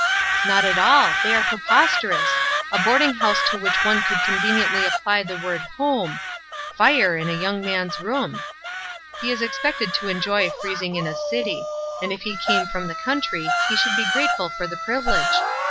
"Not at all! They are preposterous! A boarding house to which one could conveniently apply the word 'home!' Fire in a young man's room! He is expected to enjoy freezing in a city; and if he come from the country, he should be grateful for the privilege!